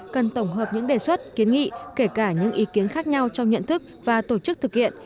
cần tổng hợp những đề xuất kiến nghị kể cả những ý kiến khác nhau trong nhận thức và tổ chức thực hiện